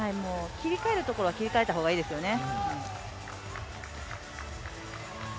切り替えるところは切り替えたほうがいいですよね。